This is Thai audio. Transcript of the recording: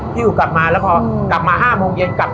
อยู่กลับมาแล้วพอกลับมา๕โมงเย็นกลับ